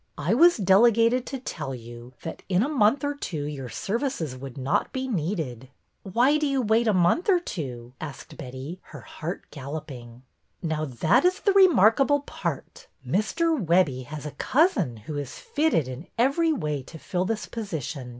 I was delegated to tell you that in a month or two your services would not be needed." Why do you wait a month or two ?" asked Betty, her heart galloping. '' Now, that is the remarkable part. Mr. Webbie has a cousin who is fitted in every way to fill this position.